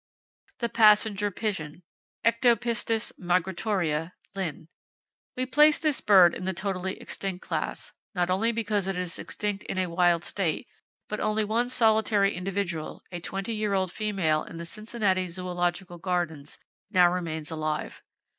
The Passenger Pigeon, —Ectopistes migratoria, (Linn.).—We place this bird in the totally extinct class, not only because it is extinct in a wild state, but only one solitary individual, a twenty year old female in the Cincinnati Zoological Gardens, now remains alive.